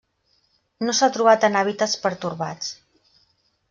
No s'ha trobat en hàbitats pertorbats.